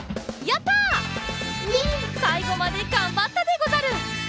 さいごまでがんばったでござる！